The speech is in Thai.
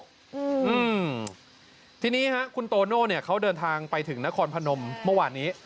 อืมทีนี้ฮะคุณโตโน่เนี่ยเขาเดินทางไปถึงนครพนมเมื่อวานนี้